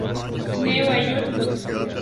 New York Bot.